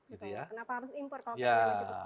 kenapa harus impor kalau kita